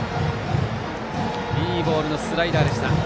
いいボールのスライダーでした。